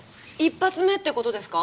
１発目って事ですか？